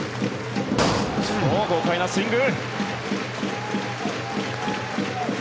豪快なスイング。